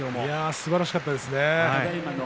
すばらしかったですね。